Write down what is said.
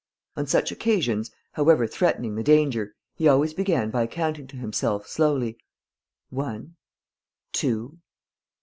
On such occasions, however threatening the danger, he always began by counting to himself, slowly "One.... Two....